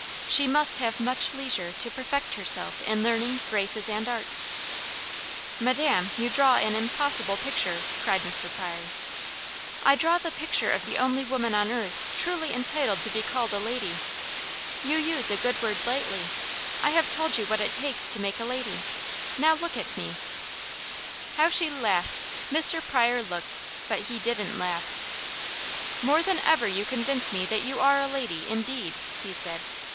She must have much leisure to perfect herself in learning, graces and arts " "Madame, you draw an impossible picture!" cried Mr. Pryor. "I draw the picture of the only woman on earth truly entitled to be called a lady. You use a good word lightly. I have told you what it takes to make a lady now look at me!" How she laughed! Mr. Pryor looked, but he didn't laugh. "More than ever you convince me that you are a lady, indeed," he said.